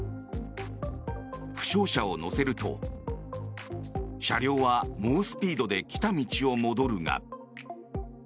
負傷者を乗せると車両は猛スピードで来た道を戻るが。